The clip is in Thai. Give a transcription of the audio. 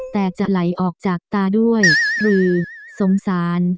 แต่จะไหลออกจากตาด้วยหรือสงสาร